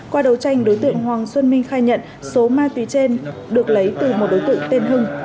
qua đấu tranh đối tượng hoàng xuân minh khai nhận số ma túy trên được lấy từ một đối tượng tên hưng